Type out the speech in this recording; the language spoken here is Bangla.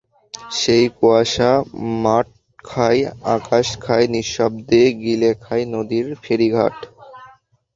সেই কুয়াশায় মাঠ খায়, আকাশ খায়, নিঃশব্দে গিলে খায় নদীর ফেরিঘাট।